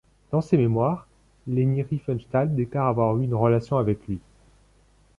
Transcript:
Dans ses mémoires, Leni Riefenstahl déclara avoir eu une relation avec lui.